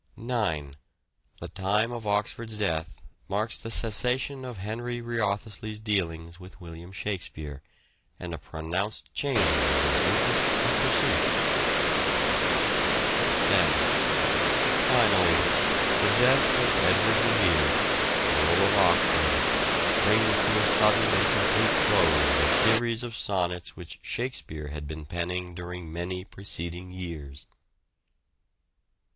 9. The time of Oxford's death marks the cessation of Henry Wriothesley's dealings with William Shakspere, and a pronounced change in his interests and pursuits. 432 " SHAKESPEARE " IDENTIFIED 10. Finally, the death of Edward de Vere, Earl of Oxford, brings to a sudden and complete close the series of sonnets which " Shakespeare " had been penning during many preceding years.